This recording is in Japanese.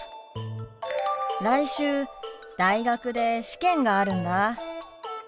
来週大学で試験があるんだ。